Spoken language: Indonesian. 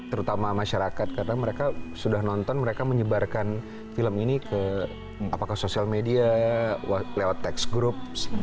terutama masyarakat karena mereka sudah nonton mereka menyebarkan film ini ke apakah sosial media lewat teks group